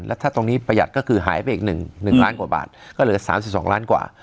แล้วถ้าตรงนี้ประหยัดก็คือหายไปอีกหนึ่งหนึ่งล้านกว่าบาทก็เหลือสามสิบสองล้านกว่า